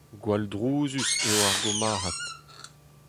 Gwall drouzus eo ar gourmarc'had.